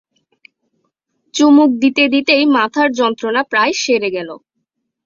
চুমুক দিতে-দিতেই মাথার যন্ত্রণা প্রায় সেরে গেল।